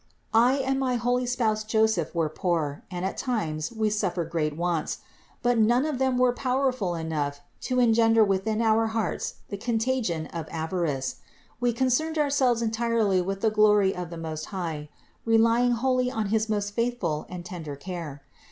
I and my holy spouse Joseph were poor, and at times we suffered great wants ; but none of them were powerful enough to engender within our hearts the contagion of avarice. We concerned ourselves entirely with the glory of the Most High, relying wholly on his most faithful and tender care.